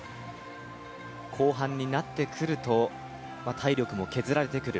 後半になってくると体力も削られてくる。